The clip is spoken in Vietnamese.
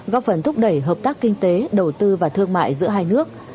góp phần thúc đẩy hợp tác kinh tế đầu tư và thương mại giữa hai nước